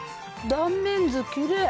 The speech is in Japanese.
断面図きれい。